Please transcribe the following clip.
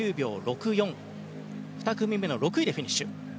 ２組目の６位でフィニッシュ。